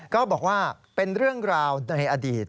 ก็บอกว่าเป็นเรื่องราวในอดีต